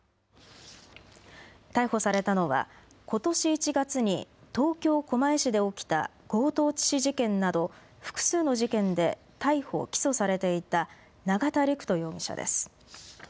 逮捕されたのは、ことし１月に東京狛江市で起きた強盗致死事件など複数の事件で逮捕、起訴されていた永田陸人容疑者です。